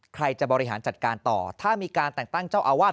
ใครจะบริหารจัดการต่อถ้ามีการแต่งตั้งเจ้าอาวาส